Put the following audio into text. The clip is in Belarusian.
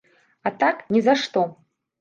А так, ні за што.